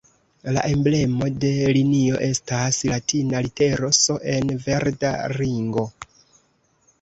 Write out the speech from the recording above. La emblemo de linio estas latina litero "S" en verda ringo.